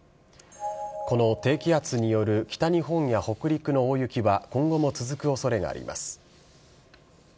この低気圧による北日本や北陸の大雪は今後も続くおそれがあります。